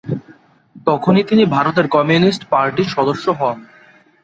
তখনই তিনি ভারতের কমিউনিস্ট পার্টির সদস্য হন।